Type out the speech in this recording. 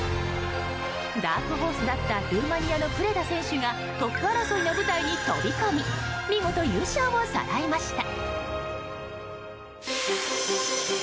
ダークホースだったルーマニアのプレダ選手がトップ争いの舞台に飛び込み見事、優勝をさらいました。